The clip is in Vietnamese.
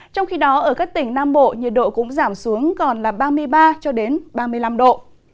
trong khi đó ở các tỉnh nam bộ nhiệt độ cũng giảm xuống còn là ba mươi ba cho đến ba mươi năm độ